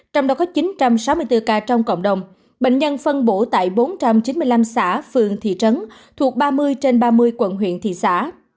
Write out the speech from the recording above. trong đó có chín trăm sáu mươi bốn ca trong cộng đồng bệnh nhân phân bổ tại bốn trăm chín mươi năm xã phường thị trấn thuộc ba mươi trên ba mươi quận huyện thị xã